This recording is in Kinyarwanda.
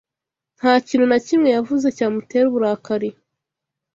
Nta kintu na kimwe yavuze cyamutera uburakari.